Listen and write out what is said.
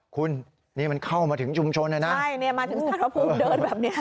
คุณนี่มันเข้ามาถึงชุมชนเลยนะใช่เนี่ยมาถึงสารภูมิเดินแบบนี้